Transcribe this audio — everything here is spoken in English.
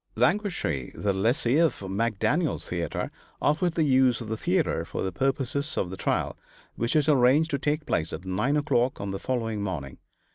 Languishe, the lessee of McDaniel's theatre, offered the use of the theatre for the purposes of the trial, which was arranged to take place at 9 o'clock on the following morning.